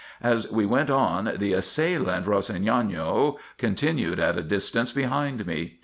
As we went on, the assailant Rossignano con tinued at a distance behind me.